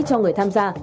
cho người tham gia